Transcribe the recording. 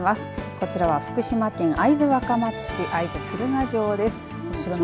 こちらは福島県会津若松市会津鶴ヶ城です。